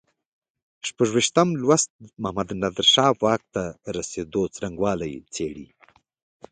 شپږویشتم لوست محمد نادر شاه واک ته رسېدو څرنګوالی څېړي.